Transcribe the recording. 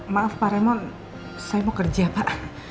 maaf pak remo saya mau kerja pak